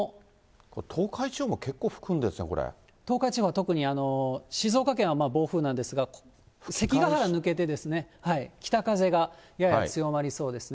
これ、東海地方、東海地方は特に、静岡県は暴風なんですが、関ヶ原抜けて、北風がやや強まりそうですね。